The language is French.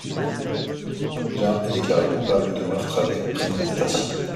Gein est déclaré coupable de meurtre avec préméditation.